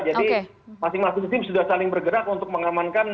jadi masing masing tim sudah saling bergerak untuk mengamankan